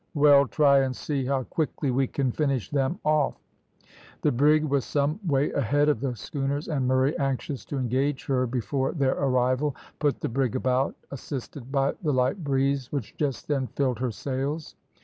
"Well, try and see how quickly we can finish them off." The brig was some way ahead of the schooners, and Murray, anxious to engage her before their arrival, put the brig about, assisted by the light breeze, which just then filled her sails.